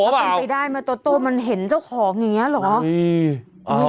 แล้วมันไปได้มาโต้มันเห็นเจ้าของอย่างนี้เหรอ